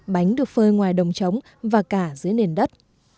bánh được phơi ngoài đồng trống và cả dưới nền đất